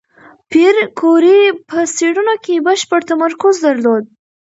پېیر کوري په څېړنو کې بشپړ تمرکز درلود.